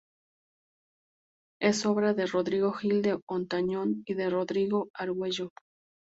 Es obra de Rodrigo Gil de Hontañón y de Rodrigo Argüello.